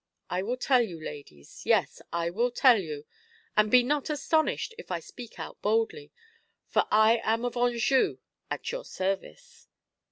I will tell you, ladies, yes, I will tell you, and be not astonished if I speak out boldly, for I am of Anjou, at your service."